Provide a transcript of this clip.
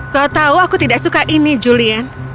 kau tahu aku tidak suka ini julian